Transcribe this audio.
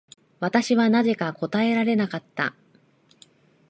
私はなぜか答えられなかった。